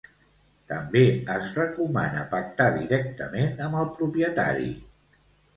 També es recomana pactar directament amb el propietari.